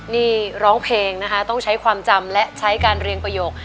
นี่ร้องเพลงนะคะต้องใช้ความจำและใช้การเรียงประโยค